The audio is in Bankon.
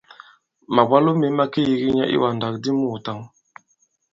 Màbwalo mē ma ke yīgi nyɛ i iwàndak di muùtǎŋ.